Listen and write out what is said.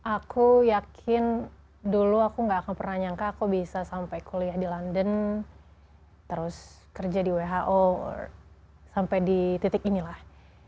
aku yakin dulu aku gak akan pernah nyangka aku bisa sampai kuliah di london terus kerja di who sampai di titik inilah